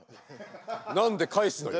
「何で返すのよ」。